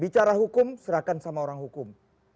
bicara hukum serahkan sama orang hukum